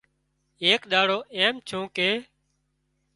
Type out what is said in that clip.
ايڪ ۮاڙو ايم ڇُون ڪي